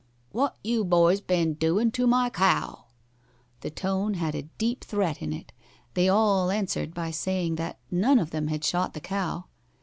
"What you boys ben doin' to my cow?" The tone had deep threat in it. They all answered by saying that none of them had shot the cow.